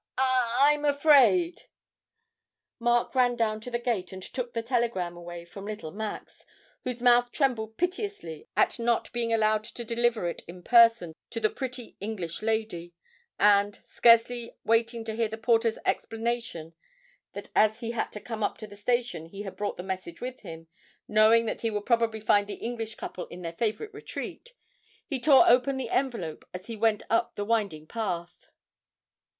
I'm afraid!' Mark ran down to the gate, and took the telegram away from little Max, whose mouth trembled piteously at not being allowed to deliver it in person to the pretty English lady, and scarcely waiting to hear the porter's explanation that as he had to come up to the station he had brought the message with him, knowing that he would probably find the English couple in their favourite retreat he tore open the envelope as he went up the winding path.